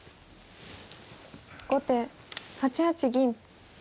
後手８八銀。